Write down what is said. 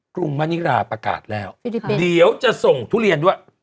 รุงมณิราประกาศแล้วเดี๋ยวจะส่งทุเรียนด้วย